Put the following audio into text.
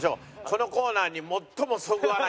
このコーナーに。